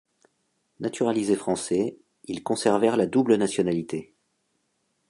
Naturalisés français, ils conservèrent la double nationalité.